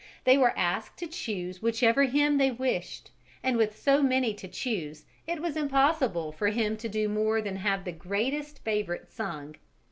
They were asked to choose whichever hymn they wished, and with so many to choose, it was impossible for him to do more than have the greatest favourites sung.